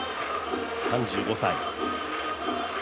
３５歳。